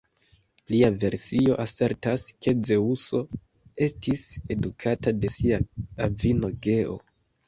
Plia versio asertas, ke Zeŭso estis edukata de sia avino Geo.